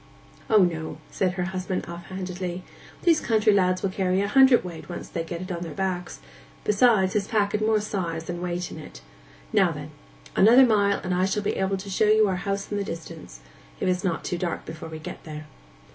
'O no,' said her husband off handedly. 'These country lads will carry a hundredweight once they get it on their backs; besides his pack had more size than weight in it. Now, then, another mile and I shall be able to show you our house in the distance—if it is not too dark before we get there.